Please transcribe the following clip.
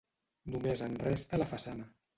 Només en resta la façana.